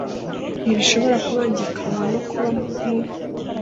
ntibishobora kubangikanywa no kuba mu